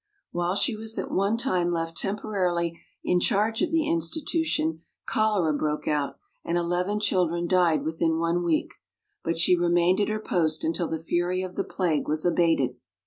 While she was at one time left temporarily in charge of the insti tution cholera broke out, and eleven children died within one week; but she remained at her post until the fury of the plague was abated.